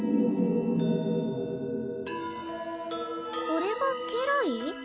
これが家来？